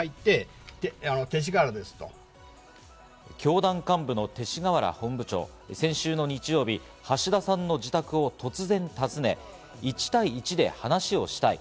教団幹部の勅使河原部長、先週の日曜日橋田さんの自宅を突然訪ね、１対１で話をしたい。